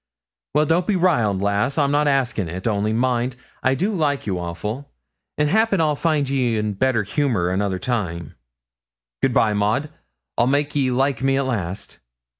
Well, don't be riled, lass, I'm not askin' it; only mind, I do like you awful, and 'appen I'll find ye in better humour another time. Good bye, Maud; I'll make ye like me at last.'